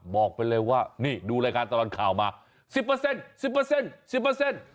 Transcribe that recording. บอกเป็นเลยว่านี่ดูรายการต้อนรับข่าวมา๑๐เปอร์เซ็นต์๑๐เปอร์เซ็นต์๑๐เปอร์เซ็นต์